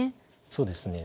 そうですね。